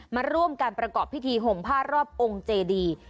มาร่วมการประกอบพิธีห่มผ้ารอบองค์เจดี